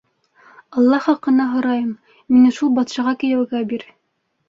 — Алла хаҡына һорайым, мине шул батшаға кейәүгә бир!